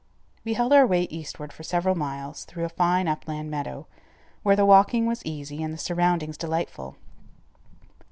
We held our way eastward for several miles through a fine upland meadow, where the walking was easy and the surroundings delightful.